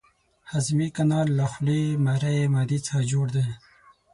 هضمي کانال له خولې، مرۍ، معدې څخه جوړ دی.